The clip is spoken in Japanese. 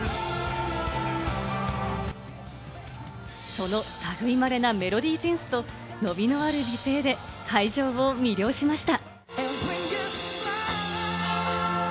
その類いまれなメロディーセンスと、のびのある美声で会場を魅了しました。